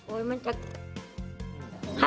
โอ้ยมันจักเจ้า